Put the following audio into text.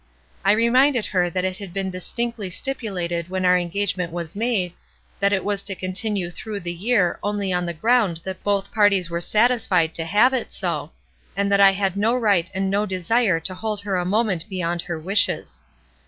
I reminded her that it had been distinctly stipu lated when our engagement was made that it was to continue through the year only on the ground that both parties were satisfied to have it so; and that I had no right and no desire to hold her a moment beyond her wishes.